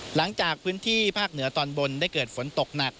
หลังจากพื้นที่ภาคเหนือตอนบนได้เกิดฝนตกหนัก